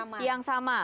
kolom yang sama